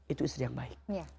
itu istri yang baik